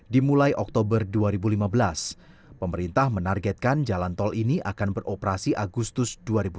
dimulai oktober dua ribu lima belas pemerintah menargetkan jalan tol ini akan beroperasi agustus dua ribu delapan belas